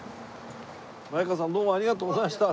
マエカワさんどうもありがとうございました。